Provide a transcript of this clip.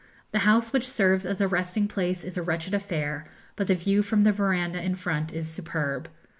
The house which serves as a resting place is a wretched affair, but the view from the verandah in front is superb.